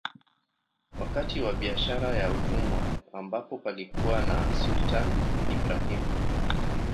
Wakati wa Biashara ya Utumwa ambapo palikuwa na Sultani Ibrahim